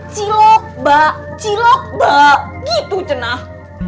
cilok mbak cilok mbak gitu cenah